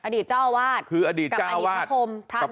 อดีตเจ้าอาวาสคืออดีตเจ้าอาวาสกับอดีตพระพรมพระนาเทศ